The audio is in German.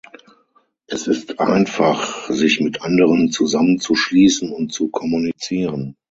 Es ist einfach, sich mit anderen zusammenzuschließen und zu kommunizieren.